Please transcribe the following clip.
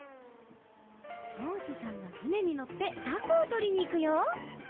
りょうしさんがふねにのってタコをとりにいくよ。